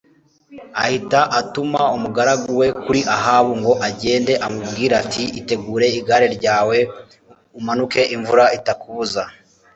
ahita atuma umugaragu we kuri Ahabu ngo agende amubwire ati Itegure igare ryawe umanuke imvura itakubuza